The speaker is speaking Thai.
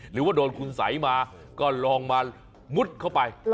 หรือว่าโดนคุณสัยมาก็ลองมามุดเข้าไป